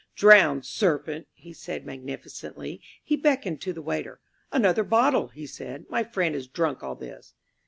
"Drown, serpent!" he said magnificently. He beckoned to the waiter. "Another bottle," he said. "My friend has drunk all this."